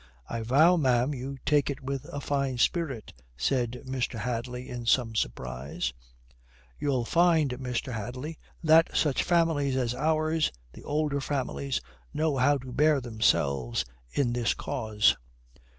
"I vow, ma'am, you take it with a fine spirit," says Mr. Hadley in some surprise. "You'll find, Mr. Hadley, that such families as ours, the older families, know how to bear themselves in this cause."